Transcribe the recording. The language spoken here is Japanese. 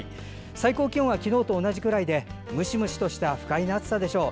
最高気温は昨日と同じくらいでムシムシとした不快な暑さでしょう。